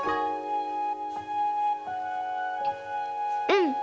うん。